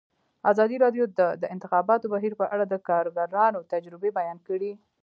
ازادي راډیو د د انتخاباتو بهیر په اړه د کارګرانو تجربې بیان کړي.